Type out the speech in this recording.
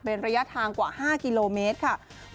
เป็นระยะทางกว่า๕กิโลเมตรค่ะ